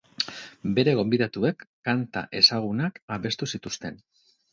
Bere gonbidatuek kanta ezagunak abestu zituzten.